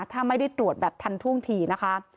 ถ้าไม่ได้ตรวจแบบทันท่วงทีนะคะ